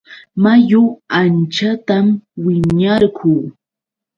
Mayu anchatam wiñarqun.